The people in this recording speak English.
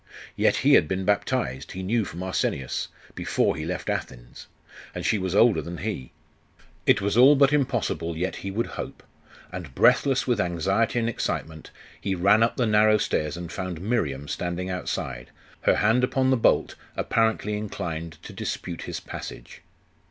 Yet he had been baptized, he knew from Arsenius, before he left Athens; and she was older than he. It was all but impossible yet he would hope; and breathless with anxiety and excitement, he ran up the narrow stairs and found Miriam standing outside, her hand upon the bolt, apparently inclined to dispute his passage.